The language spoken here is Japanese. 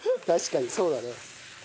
確かにそうだね。